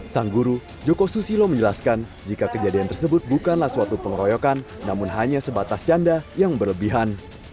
sang guru joko susilo menjelaskan jika kejadian tersebut bukanlah suatu pengeroyokan namun hanya sebatas canda yang berlebihan